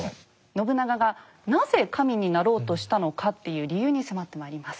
信長がなぜ神になろうとしたのかっていう理由に迫ってまいります。